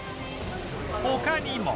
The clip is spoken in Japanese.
他にも